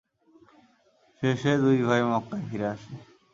শেষে দুভাই মক্কায় ফিরে আসে।